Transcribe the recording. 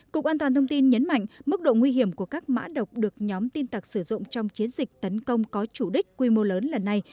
cục an toàn thông tin nhấn mạnh mức độ nguy hiểm của các mã độc được nhóm tin tặc sử dụng trong chiến dịch tấn công có chủ đích quy mô lớn lần này